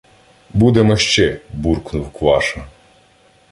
— Будемо ще, — буркнув Кваша.